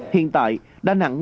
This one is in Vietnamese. hiện tại đà nẵng